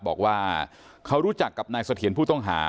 บอกว่าเขารู้จักกับนายเสถียรผู้ต้องหา